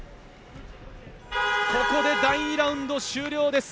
ここで第２ラウンド終了です。